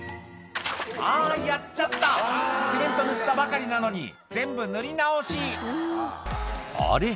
あぁやっちゃったセメント塗ったばかりなのに全部塗り直しあれ？